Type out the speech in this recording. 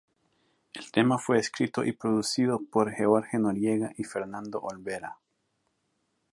El tema fue escrito y producido por George Noriega y Fernando Olvera.